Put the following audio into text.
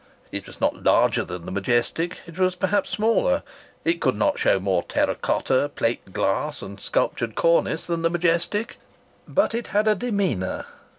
It was not larger than the Majestic; it was perhaps smaller; it could not show more terra cotta, plate glass and sculptured cornice than the Majestic. But it had a demeanour